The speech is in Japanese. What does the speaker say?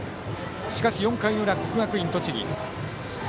しかし４回の裏、国学院栃木。